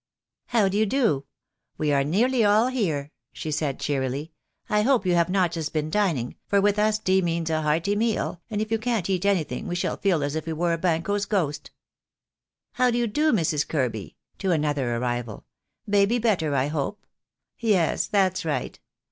"How do you do? We are nearly all here," she said, cheerily. "I hope you have not just been dining, for with us tea means a hearty meal, and if you can't eat any thing we shall feel as if you were Banquo's ghost. How do you do, Mrs. Kirby," to another arrival. "Baby better, I hope? Yes, that's right.